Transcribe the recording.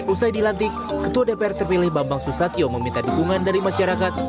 usai dilantik ketua dpr terpilih bambang susatyo meminta dukungan dari masyarakat